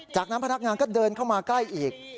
จากนั้นพนักงานก็เดินเข้ามาใกล้อีก